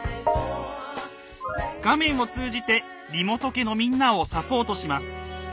画面を通じて梨本家のみんなをサポートします。